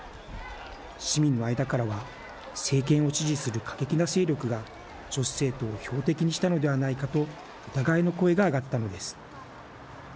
市民の間からは政権を支持する過激な勢力が女子生徒を標的にしたのではないかと疑いの声が上がったのです。